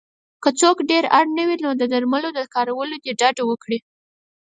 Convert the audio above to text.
که څوک ډېر اړ نه وی نو د درملو له کارولو دې ډډه وکړی